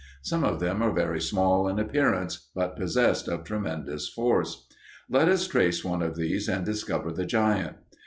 Some of them are very small in appearance, but possessed of tremendous force. Let us trace one of these and discover the giant.